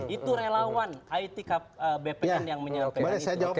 itu relawan itbpn yang menyampaikan itu